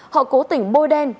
họ cố tỉnh bôi đen